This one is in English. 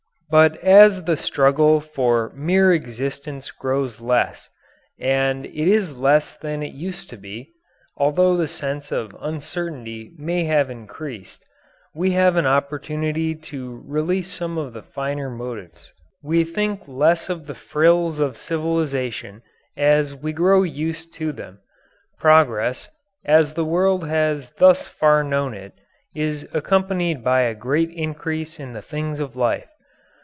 But as the struggle for mere existence grows less and it is less than it used to be, although the sense of uncertainty may have increased we have an opportunity to release some of the finer motives. We think less of the frills of civilization as we grow used to them. Progress, as the world has thus far known it, is accompanied by a great increase in the things of life.